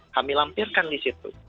kami lampirkan di situ